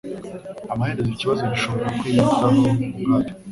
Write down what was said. Amaherezo ikibazo gishobora kwiyitaho ubwacyo